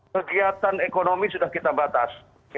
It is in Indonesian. kegiatan ekonomi sudah kita batas